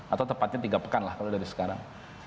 atau tepatnya tiga pekan lah kalau dari sekarang